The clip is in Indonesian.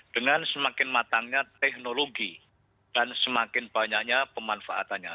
dengan semakin matangnya teknologi dan semakin banyaknya pemanfaatannya